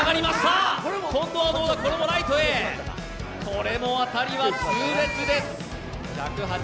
これも当たりは痛烈です。